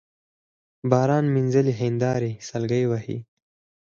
باران مينځلي هينداري سلګۍ وهي